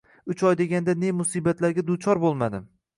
Uch oy davomida ne musibatlarga duchor bo`lmadim